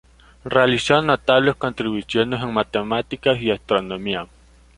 Realizó notables contribuciones en matemáticas y astronomía.